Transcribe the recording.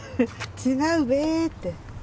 「違うべ」って。